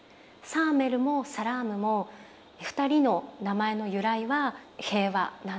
サーメルもサラームも２人の名前の由来は平和なんです。